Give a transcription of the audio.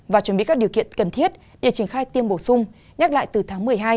và chuẩn bị các điều kiện cần thiết để triển khai tiêm bổ sung nhắc lại từ tháng một mươi hai